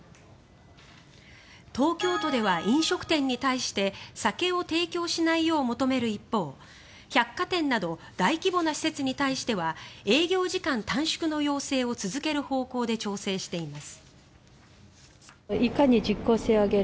東京都では飲食店に対して酒を提供しないよう求める一方百貨店など大規模な施設に対しては営業時間短縮の要請を続ける方向で調整しています。